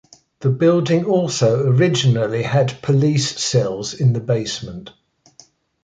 The building also originally had police cells in the basement.